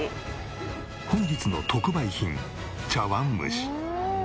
本日の特売品茶わんむし。